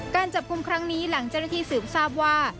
การจับคุมครั้งนี้หลังเจรฐีสืบทราบว่า